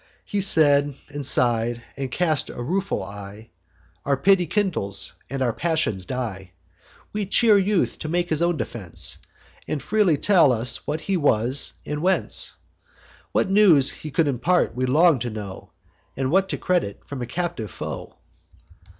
He said, and sigh'd, and cast a rueful eye: Our pity kindles, and our passions die. We cheer the youth to make his own defence, And freely tell us what he was, and whence: What news he could impart, we long to know, And what to credit from a captive foe.